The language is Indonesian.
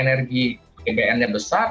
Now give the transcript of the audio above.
energi bpn nya besar